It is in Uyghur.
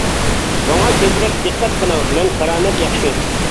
ماڭا كۆپرەك دىققەت قىلىڭ، مەن كارامەت ياخشى.